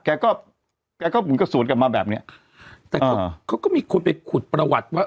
แกก็แกก็เหมือนกับสวนกลับมาแบบเนี้ยแต่ก็เขาก็มีคนไปขุดประวัติว่า